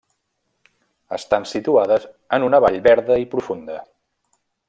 Estan situades en una vall verda i profunda.